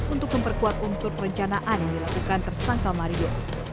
untuk memperkuat unsur perencanaan yang dilakukan tersangka mario